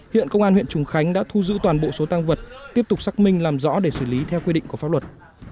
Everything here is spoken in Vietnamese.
hiện công an huyện trùng khánh đã thu giữ toàn bộ số tăng vật tiếp tục xác minh làm rõ để xử lý theo quy định của pháp luật